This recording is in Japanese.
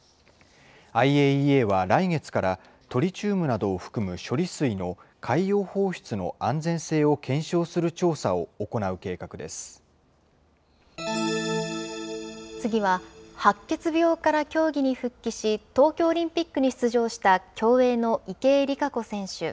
ＩＡＥＡは来月から、トリチウムなどを含む処理水の海洋放出の安全性を検証する調査を行う計画で次は、白血病から競技に復帰し、東京オリンピックに出場した、競泳の池江璃花子選手。